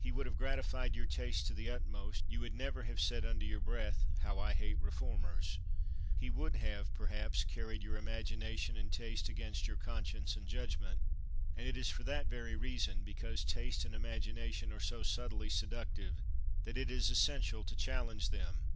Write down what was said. He would have gratified your taste to the utmost; you would never have said under your breath, "How I hate reformers!" he would have, perhaps, carried your imagination and taste against your conscience and judgment. And it is for that very reason because taste and imagination are so subtly seductive that it is essential to challenge them.